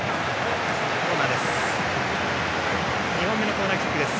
コーナーです。